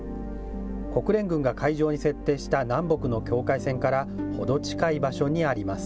国連軍が海上に設定した南北の境界線から程近い場所にあります。